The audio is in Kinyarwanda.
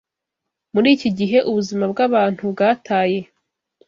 Muri iki gihe, ubuzima bw’abantu bwataye